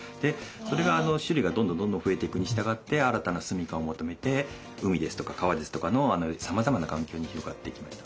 それが種類がどんどんどんどん増えていくにしたがって新たな住みかを求めて海ですとか川ですとかのさまざまな環境に広がっていきました。